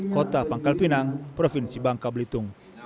kota pangkal pinang provinsi bangka belitung